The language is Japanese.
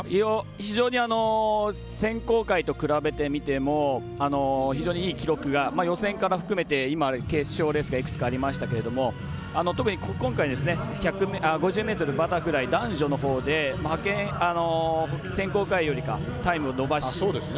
非常に選考会と比べてみても非常にいい記録が予選から含めて今、決勝レースがいくつかありましたけれども特に、今回、５０ｍバタフライ男女のほうで選考会よりかタイムを伸ばして。